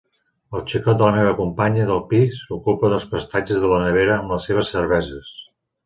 El xicot de la meva companya de pis ocupa dos prestatges de la nevera amb les seves cerveses.